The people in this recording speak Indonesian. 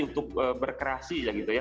untuk berkreasi lah gitu ya